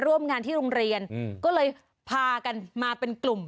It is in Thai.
ร่วมงานที่โรงเรียนก็เลยพากันมาเป็นกลุ่ม